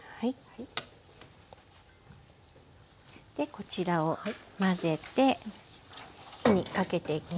こちらを混ぜて火にかけていきます。